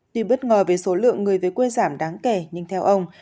tuy bất ngờ về số lượng người về quê giảm đáng kể nhưng theo ông